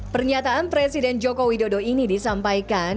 pernyataan presiden jokowi dodo ini disampaikan